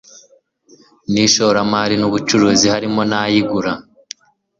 n ishoramari n ubucuruzi harimo n ay igura